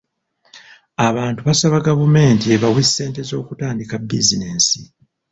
Abantu basaba gavumenti ebawe ssente z'okutandika bizinensi.